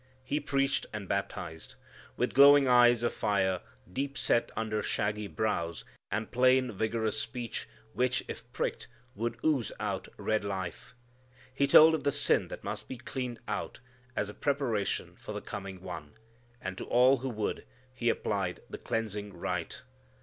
He preached and baptized. With glowing eyes of fire, deep set under shaggy brows, and plain vigorous speech which, if pricked, would ooze out red life, he told of the sin that must be cleaned out as a preparation for the coming One. And to all who would, he applied the cleansing rite.